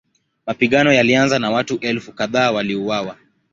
Mapigano yalianza na watu elfu kadhaa waliuawa.